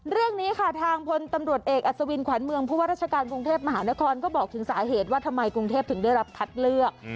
เรื่องนี้ค่ะทางพลตำรวจเอกอัศวินขวานเมืองผู้ว่าราชการกรุงเทพมหานครก็บอกถึงสาเหตุว่าทำไมกรุงเทพถึงได้รับคัดเลือก